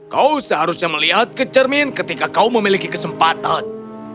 kau seharusnya melihat ke cermin ketika kau memiliki kesempatan